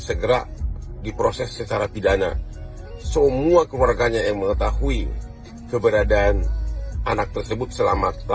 segera diproses secara pidana semua keluarganya yang mengetahui keberadaan anak tersebut selamat